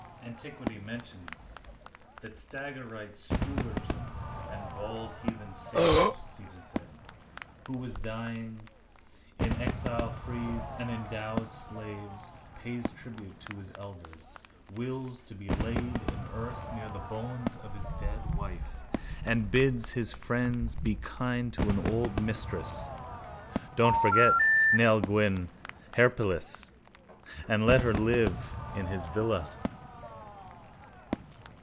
—Antiquity mentions that Stagyrite schoolurchin and bald heathen sage, Stephen said, who when dying in exile frees and endows his slaves, pays tribute to his elders, wills to be laid in earth near the bones of his dead wife and bids his friends be kind to an old mistress (don't forget Nell Gwynn Herpyllis) and let her live in his villa.